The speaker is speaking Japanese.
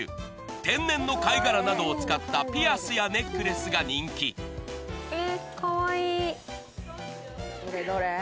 天然の貝殻などを使ったピアスやネックレスが人気どれどれ？